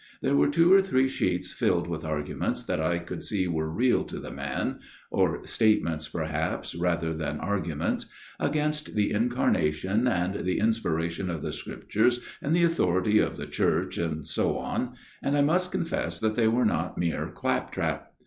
There were two or three sheets filled with arguments that I could see were real to the man or statements, perhaps, rather than arguments against the Incarnation and the inspiration of the Scriptures, and the authority of the Church, and so on, and I must 18 A MIRROR OF SHALOTT confess that they were not mere clap trap.